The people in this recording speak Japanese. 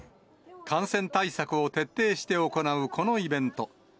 感染対策を徹底して行うこのイベント。